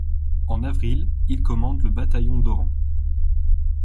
En avril, il commande le bataillon d’Oran.